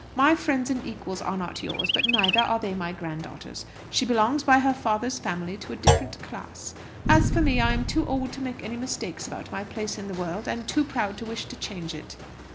My friends and equals are not yours; but neither are they my grand daughter's. She belongs by her father's family to a different class. As for me, I am too old to make any mistakes about my place in the world, and too proud to wish to change it."